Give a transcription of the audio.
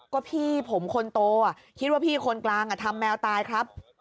ก็พี่ผมคนโตคิดว่าพี่คนกลางทำแมวตายครับ